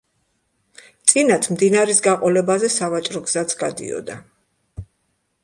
წინათ მდინარის გაყოლებაზე სავაჭრო გზაც გადიოდა.